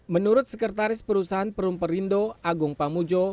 menurut sekretaris perusahaan perum perindo agung pamujo